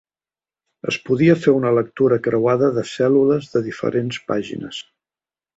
Es podia fer una lectura creuada de cèl·lules de diferents pàgines.